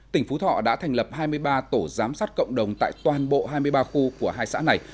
tỉnh phú thọ đã thành lập hai mươi ba tổ giám sát cộng đồng tại toàn bộ hai mươi ba khu của hai xã này